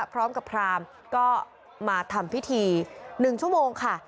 พร้อมกับพรามก็มาทำพิธี๑ชั่วโมงค่ะ